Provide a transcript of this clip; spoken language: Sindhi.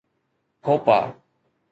هوپا